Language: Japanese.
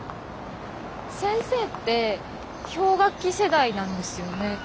先生って氷河期世代なんですよね？